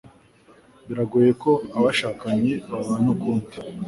Biragoye ko abashakanye babana ukundi.